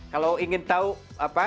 kalau ingin tahu apa